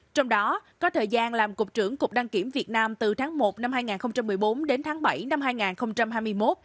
trong đó có thời gian làm cục trưởng cục đăng kiểm việt nam từ tháng một năm hai nghìn một mươi bốn đến tháng bảy năm hai nghìn hai mươi một